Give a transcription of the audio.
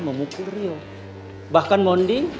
memukul rio bahkan mondi